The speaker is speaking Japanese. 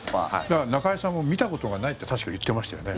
だから中居さんも見たことがないって確か言ってましたよね。